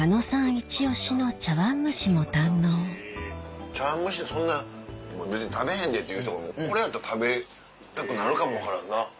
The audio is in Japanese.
イチ押しの茶碗蒸しも堪能茶碗蒸しってそんな別に食べへんでっていう人もこれやったら食べたくなるかも分からんな。